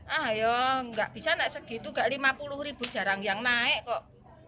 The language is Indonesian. ayo tidak bisa tidak segitu rp lima puluh jarang yang naik kok